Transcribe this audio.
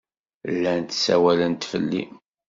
Llant ssawalent fell-i.